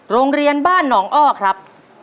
โรงเรียนบ้านหนองอ้อครับ